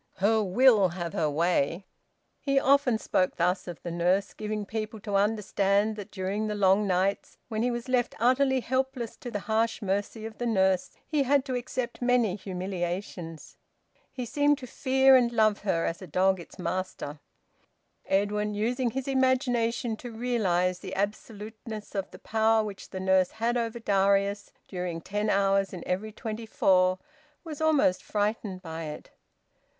Her will have her own way!" He often spoke thus of the nurse, giving people to understand that during the long nights, when he was left utterly helpless to the harsh mercy of the nurse, he had to accept many humiliations. He seemed to fear and love her as a dog its master. Edwin, using his imagination to realise the absoluteness of the power which the nurse had over Darius during ten hours in every twenty four, was almost frightened by it.